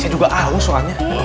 saya juga aus soalnya